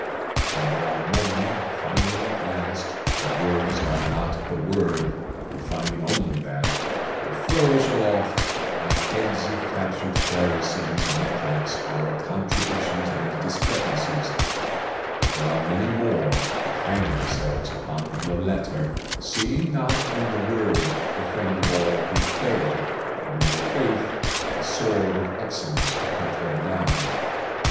And there are many, Finding at last that words are not the Word, And finding only that, will flourish aloft, Like heads of captured Pharisees on pikes, Our contradictions and discrepancies; And there are many more will hang themselves Upon the letter, seeing not in the Word The friend of all who fail, and in their faith A sword of excellence to cut them down.